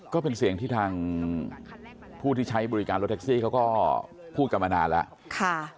ก็เป็นเสียงที่ทางผู้ที่ใช้บริการรถแท็กซี่เขาก็พูดกันมานานแล้ว